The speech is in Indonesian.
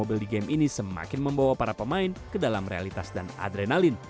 ini terlihat sangat bagus